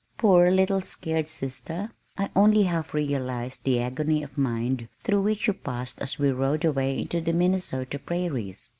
Poor, little scared sister, I only half realized the agony of mind through which you passed as we rode away into the Minnesota prairies!